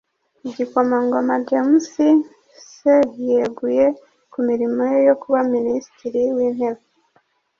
igikomangomajames c yeguye ku mirimo ye yo kuba minisitiri w'intebe